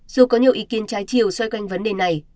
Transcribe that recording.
dù có nhiều ý kiến trái chiều xoay quanh vấn đề này